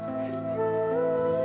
aku terlalu berharga